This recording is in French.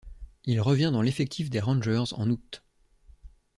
Il revient dans l'effectif des Rangers en août.